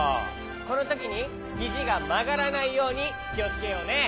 このときにひじがまがらないようにきをつけようね。